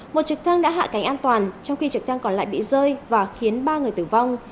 một trực thăng đã hạ cánh an toàn trong khi trực thăng còn lại bị rơi và khiến ba người tử vong